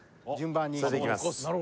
それでいきます